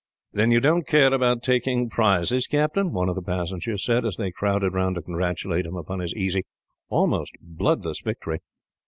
"Then you don't care about taking prizes, captain?" one of the passengers said, as they crowded round to congratulate him upon his easy, and almost bloodless, victory.